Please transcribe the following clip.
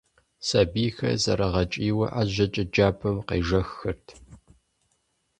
Сэбийхэр зэрыгъэкӏийуэ ӏэжьэкӏэ джабэм къежэххэрт.